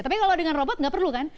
tapi kalau dengan robot nggak perlu kan